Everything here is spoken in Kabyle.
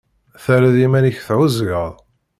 Terriḍ iman-ik tɛuẓẓgeḍ.